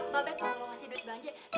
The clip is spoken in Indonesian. mbak be kalau lo ngasih duit belanja